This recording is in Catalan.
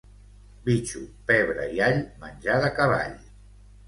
Bitxo, pebre i all, menjar de cavall.